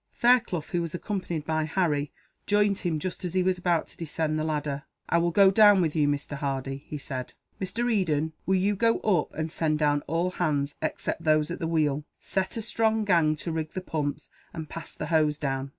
Fairclough, who was accompanied by Harry, joined him just as he was about to descend the ladder. "I will go down with you, Mr. Hardy," he said. "Mr. Eden, will you go up and send down all hands, except those at the wheel? Set a strong gang to rig the pumps, and pass the hose down."